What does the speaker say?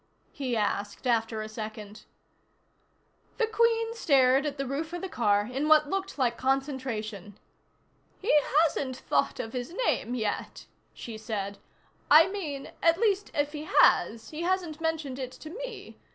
he asked after a second. The Queen stared at the roof of the car in what looked like concentration. "He hasn't thought of his name yet," she said. "I mean, at least, if he has, he hasn't mentioned it to me.